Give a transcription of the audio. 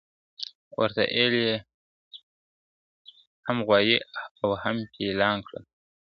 ورته اېل یې هم غوایي او هم پیلان کړل ,